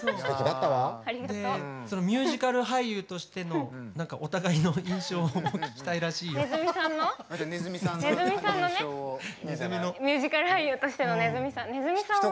ミュージカル俳優としてのお互いの印象をねずみさんの？